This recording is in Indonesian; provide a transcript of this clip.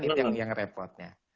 itu yang repotnya